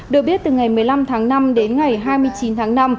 được biết từ ngày một mươi năm tháng năm đến ngày hai mươi chín tháng năm